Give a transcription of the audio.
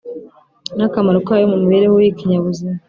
n’akamaro kayo mu mibereho y’ibinyabuzima.